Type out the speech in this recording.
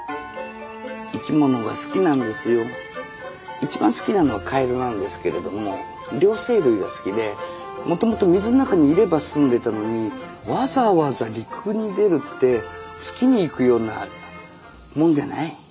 一番好きなのはカエルなんですけれども両生類が好きでもともと水の中にいれば済んでたのにわざわざ陸に出るって月に行くようなもんじゃない？